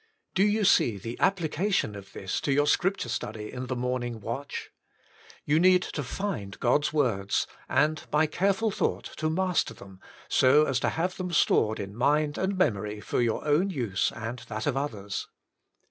Do you see the application of this to your Scripture study in the morning watch? You need to Fiistd God's words, and by careful thought to master them, so as to have them stored in mind and memory for your own use, and that of others.